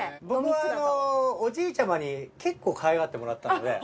僕はあのおじいちゃまに結構かわいがってもらったので。